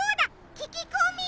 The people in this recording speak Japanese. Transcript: ききこみ！